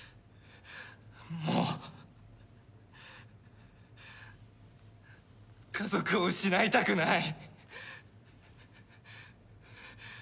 もう家族を失いたくない。